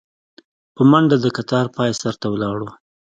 په منډه د کتار پاى سر ته ولاړو.